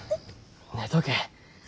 寝とけ。